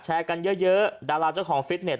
แชร์กันเยอะดาราเจ้าของฟิตเน็ต